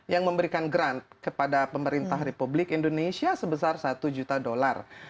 yang memberikan grand kepada pemerintah republik indonesia sebesar satu juta dolar